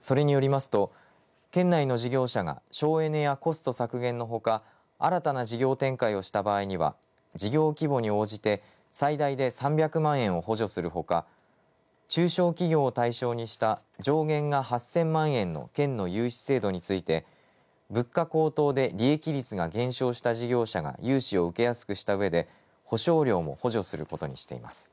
それによりますと県内の事業者が省エネやコスト削減のほか新たな事業展開をした場合には事業規模に応じて最大で３００万円を補助するほか中小企業を対象にした上限が８０００万円の県の融資制度について物価高騰で利益率が減少した事業者が融資を受けやすくしたうえで保証料も補助することにしています。